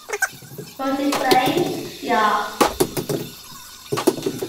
“Won’t it rain?” she asked.